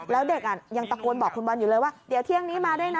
แล้วเด็กยังตะโกนบอกคุณบอลอยู่เลยว่าเดี๋ยวเที่ยงนี้มาด้วยนะ